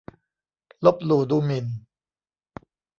ลบหลู่ดูหมิ่น